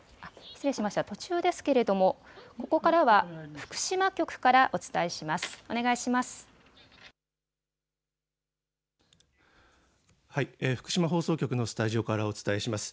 失礼しました、途中ですけれどもここからは福島局からお伝えします。